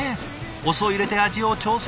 お酢を入れて味を調整。